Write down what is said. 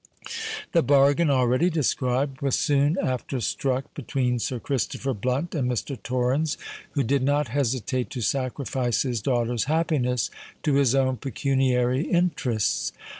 The bargain, already described, was soon after struck between Sir Christopher Blunt and Mr. Torrens, who did not hesitate to sacrifice his daughter's happiness to his own pecuniary interests.